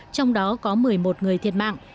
trong đó có một mươi một người thiệt mạng